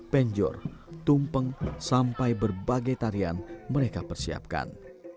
penjor tumpeng sampai berbagai tarian mereka persiapkan